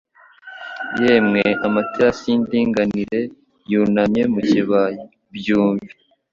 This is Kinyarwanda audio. Yemwe amaterasi y'indinganire yunamye mu kibaya byumve ...